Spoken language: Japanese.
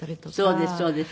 そうですそうです。